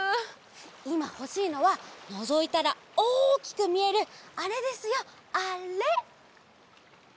いまほしいのはのぞいたらおおきくみえるあれですよあれ！